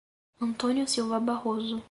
Antônio Silva Barroso